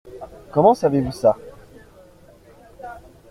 Comment savez-vous ça ?